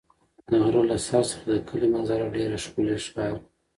د غره له سر څخه د کلي منظره ډېره ښکلې ښکاري.